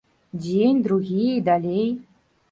Дзень, другі і далей.